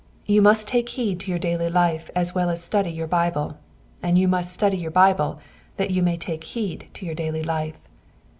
You must take heed to your daily life as well as study your liible, and you must study your Bible that you may take heed to your daily life.